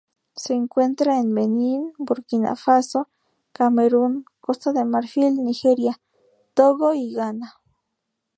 Se encuentra en Benín, Burkina Faso, Camerún, Costa de Marfil, Nigeria, Togo y Ghana.